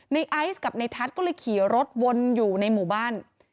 ในไอซ์กับในทัศน์ก็เลยขี่รถวนอยู่ในหมู่บ้าน